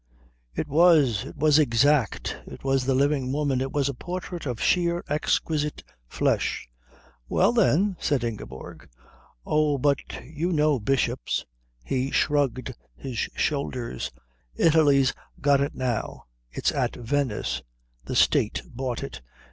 "It was. It was exact. It was the living woman. It was a portrait of sheer, exquisite flesh." "Well, then," said Ingeborg. "Oh, but you know bishops " He shrugged his shoulders. "Italy's got it now. It's at Venice. The State bought it.